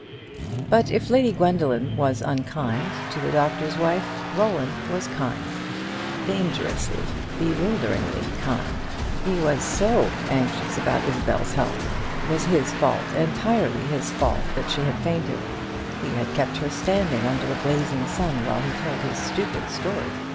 But if Lady Gwendoline was unkind to the Doctor's Wife, Roland was kind; dangerously, bewilderingly kind. He was so anxious about Isabel's health. It was his fault, entirely his fault, that she had fainted. He had kept her standing under the blazing sun while he told his stupid story.